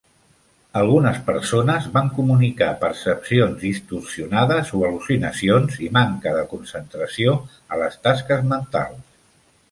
Algunes persones van comunicar percepcions distorsionades o al·lucinacions i manca de concentració a les tasques mentals.